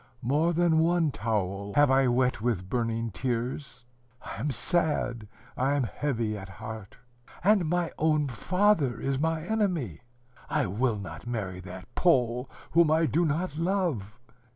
More than one towel have I wet with burning tears. I am sad, I am heavy at heart. And my own father is my enemy. I will not marry that Pole, whom I do not love.